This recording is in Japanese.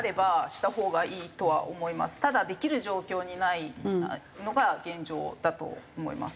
ただできる状況にないのが現状だと思います。